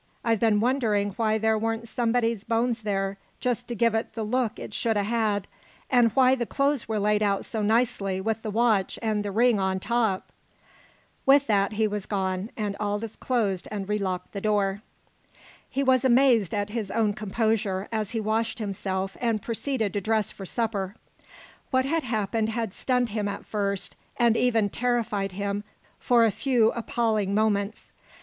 I've been wondering why there weren't somebody's bones there just t' give it the look it should 'a' had an' why the clothes were laid out so nicely with the watch an' the ring on top!" With that he was gone, and Aldous closed and relocked the door. He was amazed at his own composure as he washed himself and proceeded to dress for supper. What had happened had stunned him at first, had even terrified him for a few appalling moments.